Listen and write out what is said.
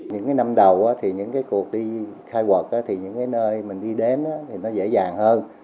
những năm đầu những cuộc đi khai quật những nơi mình đi đến thì nó dễ dàng hơn